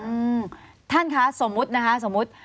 อืมท่านคะสมมุตินะคะสมมุติ